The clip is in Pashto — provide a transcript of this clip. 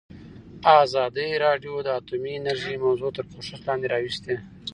ازادي راډیو د اټومي انرژي موضوع تر پوښښ لاندې راوستې.